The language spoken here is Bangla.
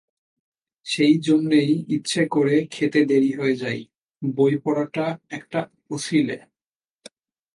সেইজন্যেই ইচ্ছে করে খেতে দেরি হয়ে যায়, বই পড়াটা একটা অছিলে।